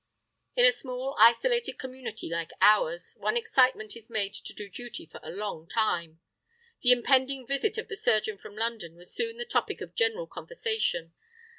In a small isolated community like ours, one excitement is made to do duty for a long while. The impending visit of the surgeon from London was soon the topic of general conversation.